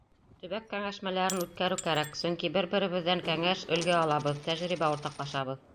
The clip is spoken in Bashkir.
Төбәк кәңәшмәләрен үткәреү кәрәк, сөнки бер-беребеҙҙән кәңәш, өлгө алабыҙ, тәжрибә уртаҡлашабыҙ.